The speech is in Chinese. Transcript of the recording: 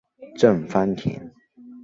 郑芳田。